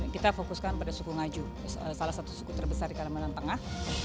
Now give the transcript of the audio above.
kita fokuskan pada suku ngaju salah satu suku terbesar di kalimantan tengah